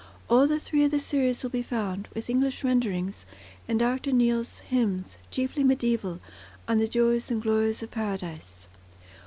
All the three of the series will be found, with English renderings, in Dr. Neale's "Hymns, chiefly Mediæval, on the Joys and Glories of Paradise."